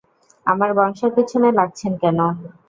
আমার বংশের পিছনে লাগছেন কেন?